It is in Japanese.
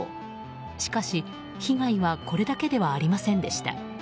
しかし、被害はこれだけではありませんでした。